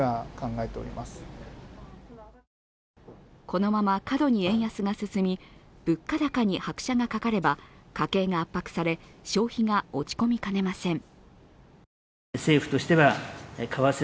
このまま過度に円安が進み物価高に拍車がかかれば家計が圧迫され、消費が落ち込みかねません。